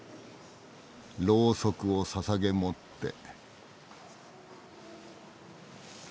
ろうそくをささげ持って。